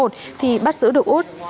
thì bắt giữ được út